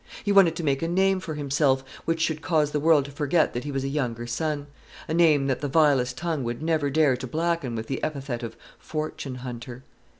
He wanted to make a name for himself, which should cause the world to forget that he was a younger son, a name that the vilest tongue would never dare to blacken with the epithet of fortune hunter.